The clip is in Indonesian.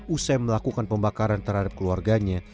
usai melakukan pembakaran terhadap keluarganya